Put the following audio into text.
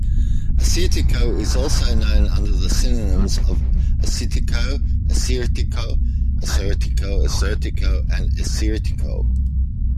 Assyrtiko is also known under the synonyms Arcytico, Assirtico, Assyrtico, Asurtico, and Asyrtiko.